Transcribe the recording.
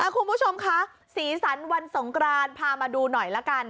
คุณผู้ชมคะสีสันวันสงกรานพามาดูหน่อยละกัน